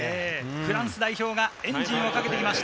フランス代表がエンジンをかけてきました。